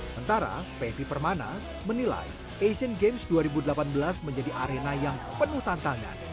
mentara pevi permana menilai asian games dua ribu delapan belas menjadi arena yang penuh tantangan